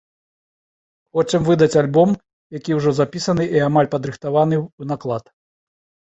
Хочам выдаць альбом, які ўжо запісаны і амаль падрыхтаваны ў наклад.